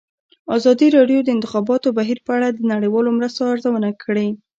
ازادي راډیو د د انتخاباتو بهیر په اړه د نړیوالو مرستو ارزونه کړې.